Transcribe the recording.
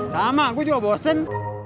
sama gua juga bosan